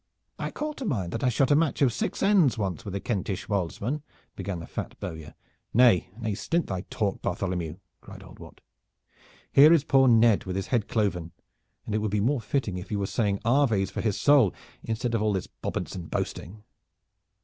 "I call to mind that I shot a match of six ends once with a Kentish woldsman " began the fat Bowyer. "Nay, nay, stint thy talk, Bartholomew!" cried old Wat. "Here is poor Ned with his head cloven, and it would be more fitting if you were saying aves for his soul, instead of all this bobance and boasting.